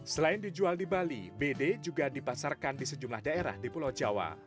selain dijual di bali bd juga dipasarkan di sejumlah daerah di pulau jawa